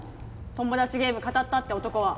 トモダチゲーム語ったって男は。